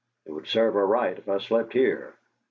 It would serve her right if I slept here!'